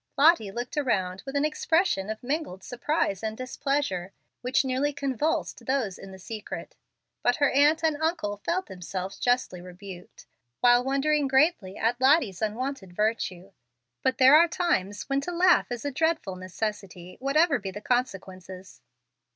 Lottie looked around with an expression of mingled surprise and displeasure, which nearly convulsed those in the secret. But her aunt and uncle felt themselves justly rebuked, while wondering greatly at Lottie's unwonted virtue. But there are times when to laugh is a dreadful necessity, whatever be the consequences.